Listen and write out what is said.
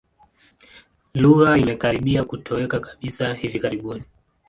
Lugha imekaribia kutoweka kabisa hivi karibuni.